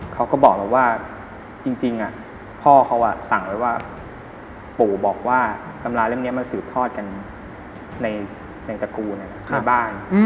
เขาก็บอกเราว่าจริงพ่อเขาสั่งไว้ว่าปู่บอกว่าตำราเล่มนี้มันสืบทอดกันในตระกูลในบ้าน